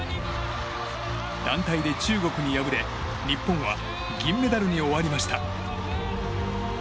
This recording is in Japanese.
団体で中国に敗れ日本は銀メダルに終わりました。